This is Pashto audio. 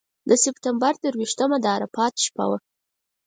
د سپټمبر درویشتمه د عرفات شپه وه.